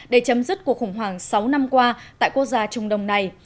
để chấm dứt cuộc khủng hoảng sáu năm qua tại quốc gia trung đông này